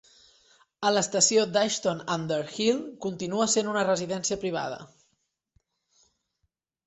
L'estació d'Ashton under Hill continua sent una residència privada.